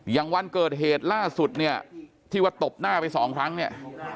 อย่างวันเกิดเหตุล่าสุดเนี่ยที่ว่าตบหน้าไปสองครั้งเนี่ย